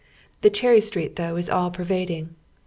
The Cherry Street tough is all pervading.